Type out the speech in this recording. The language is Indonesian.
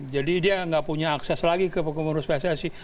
jadi dia tidak punya akses lagi ke pengumuman usus pssi